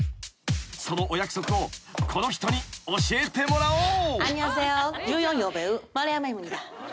［そのお約束をこの人に教えてもらおう］